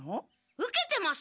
受けてます！